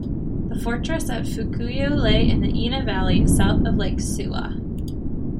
The fortress at Fukuyo lay in the Ina valley, south of Lake Suwa.